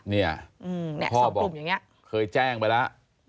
นี่พ่อบอกเคยแจ้งไปแล้ว